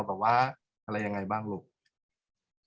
กากตัวทำอะไรบ้างอยู่ตรงนี้คนเดียว